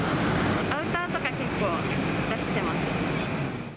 アウターとか結構出してます。